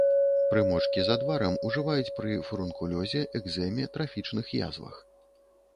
Прымочкі з адварам ужываюць пры фурункулёзе, экзэме, трафічных язвах.